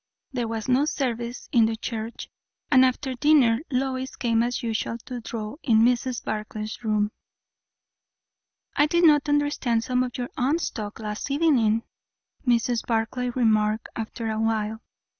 There was no service in the church; and after dinner Lois came as usual to draw in Mrs. Barclay's room. "I did not understand some of your aunt's talk last evening," Mrs. Barclay remarked after a while.